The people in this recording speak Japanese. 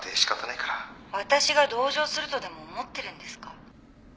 わたしが同情するとでも思ってるんですか？